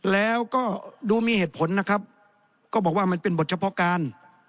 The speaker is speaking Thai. แล้วก็ดูมีเหตุผลนะครับก็บอกว่ามันเป็นบทเฉพาะการ